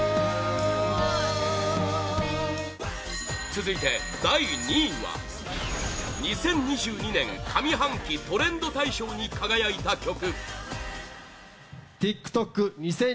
続いて、第２位は２０２２年上半期トレンド大賞に輝いた曲！